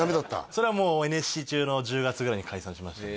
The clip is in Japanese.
それはもうＮＳＣ中の１０月ぐらいに解散しました